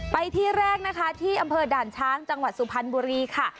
ไปที่แรกนะคะที่อำเภอด่านช้างจังหวัดสุพรรณบุรีค่ะ